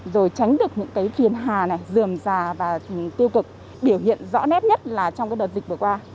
rồi tránh được những cái phiền hà này dườm già và tiêu cực biểu hiện rõ nét nhất là trong cái đợt dịch vừa qua